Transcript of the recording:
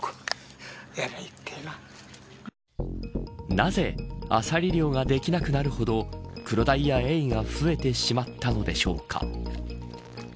なぜアサリ漁ができなくなるほどクロダイやエイが増えてしまったのでしょうか。